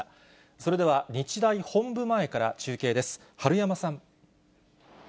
それでは、日大本部前から中継です。